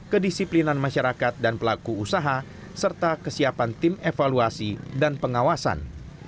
kedisiplinan masyarakat dan pelaku usaha serta kesiapan tim evaluasi dan pengawasan